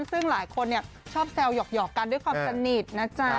ซึ่งหลายคนชอบแซวหยอกกันด้วยความสนิทนะจ๊ะ